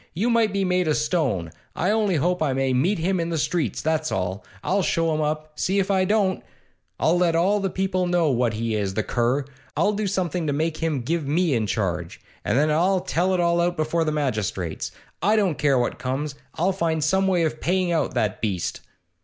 You might be made o' stone! I only hope I may meet him in the streets, that's all! I'll show him up, see if I don't! I'll let all the people know what he is, the cur! I'll do something to make him give me in charge, and then I'll tell it all out before the magistrates. I don't care what comes, I'll find some way of paying out that beast!